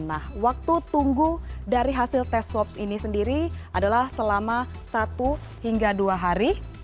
nah waktu tunggu dari hasil tes swab ini sendiri adalah selama satu hingga dua hari